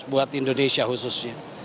buat indonesia khususnya